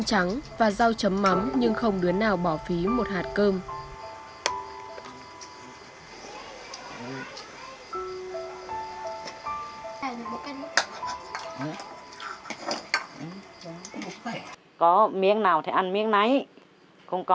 sao làm học shamiddang